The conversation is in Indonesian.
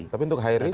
tapi untuk high risk